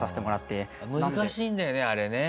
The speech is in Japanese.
難しいんだよねあれね。